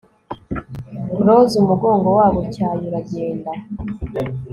ROSES umugongo wabo utyaye uragenda